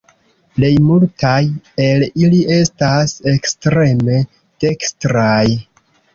Plej multaj el ili estas ekstreme dekstraj.